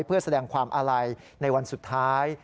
เพื่อแสดงความอาลัยในวันสุดท้าย